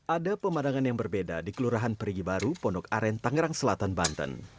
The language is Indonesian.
ada pemandangan yang berbeda di kelurahan perigi baru pondok aren tangerang selatan banten